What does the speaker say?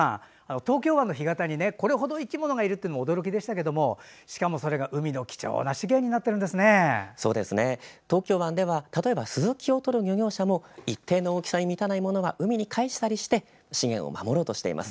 東京湾の干潟にこれほど生き物がいるのも驚きでしたがしかも、それが海の東京湾では例えばスズキを取る漁業者も一定の大きさに満たないものは海に返したりして資源を守ろうとしています。